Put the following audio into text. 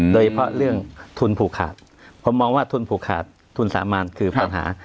โดยเฉพาะเรื่องทุนผูกขาดผมมองว่าทุนผูกขาดทุนสามัญคือปัญหา